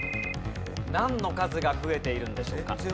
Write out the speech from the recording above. なんの数が増えているんでしょうか？